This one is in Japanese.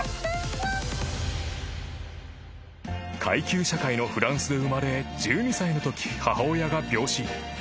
［階級社会のフランスで生まれ１２歳のとき母親が病死］